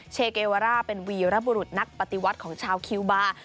เชเกวาร่าเป็นวีรบุรุษนักปฏิวัติของชาวคิวบาร์